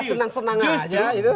praksi kinerja senang senang aja